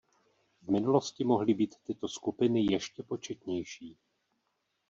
V minulosti mohly být tyto skupiny ještě početnější.